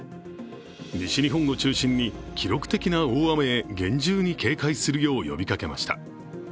西日本を中心に記録的な大雨へ厳重に警戒するよう呼びかけました。